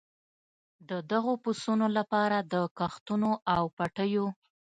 د دغو پسونو لپاره د کښتونو او پټیو.